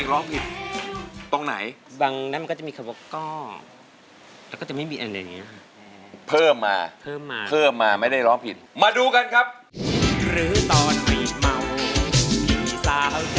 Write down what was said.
เกดลองค่ะไม่ฟังหลายเดือนค่ะไม่ฟังหลายเดือนใครเปิดว่าอ้าเปลือได้อะไร